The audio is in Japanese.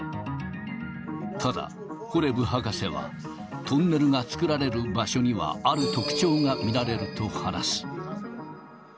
ただ、ホレブ博士は、トンネルが作られる場所には、ある特徴が見られると話す。